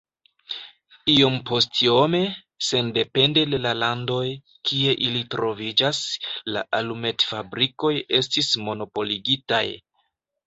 Iompostiome, sendepende de la landoj, kie ili troviĝis, la alumetfabrikoj estis monopoligitaj.